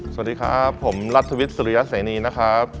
สวัสดีครับผมรัฐวิทย์สุริยะเสนีนะครับ